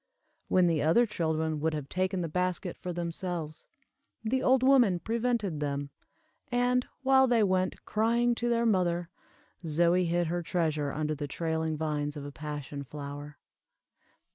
When the other children would have taken the basket for themselves, the old woman prevented them; and, while they went, crying, to their mother, Zoie hid her treasure under the trailing vines of a passion flower.